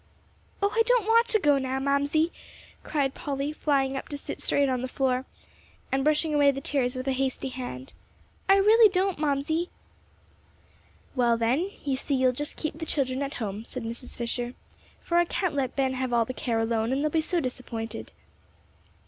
"Oh, I don't want to go now, Mamsie," cried Polly, flying up to sit straight on the floor, and brushing away the tears with a hasty hand, "I really don't, Mamsie." "Well, then you see you'll just keep the children at home," said Mrs. Fisher; "for I can't let Ben have all the care alone, and they'll be so disappointed."